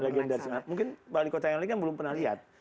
mungkin wali kotanya yang lain kan belum pernah lihat